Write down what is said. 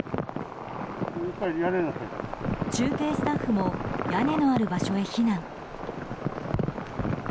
中継スタッフも屋根のある場所へ避難。